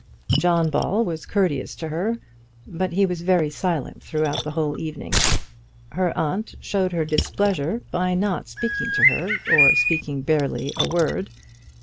John Ball was courteous to her, but he was very silent throughout the whole evening. Her aunt showed her displeasure by not speaking to her, or speaking barely with a word.